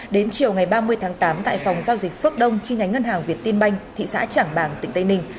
đến chiều ngày ba mươi tháng tám tại phòng giao dịch phước đông chi nhánh ngân hàng việt tiên banh thị xã trảng bàng tỉnh tây ninh